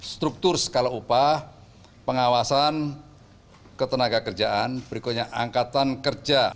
struktur skala upah pengawasan ketenagakerjaan berikutnya angkatan kerja